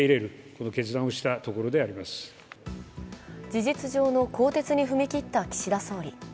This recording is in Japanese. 事実上の更迭に踏み切った岸田総理。